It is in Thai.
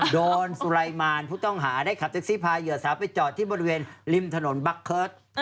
สุรายมารผู้ต้องหาได้ขับแท็กซี่พาเหยื่อสาวไปจอดที่บริเวณริมถนนบัคเคิร์ต